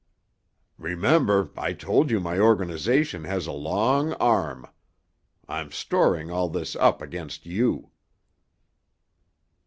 "Remember, I told you my organization has a long arm. I'm storing all this up against you."